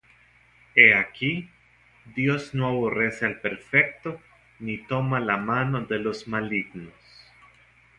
He aquí, Dios no aborrece al perfecto, Ni toma la mano de los malignos.